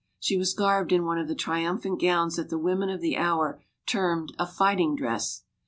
She was garbed in one of the tri umphant gowns that the women of the hour termed a "fighting dress."